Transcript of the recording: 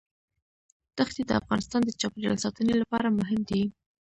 دښتې د افغانستان د چاپیریال ساتنې لپاره مهم دي.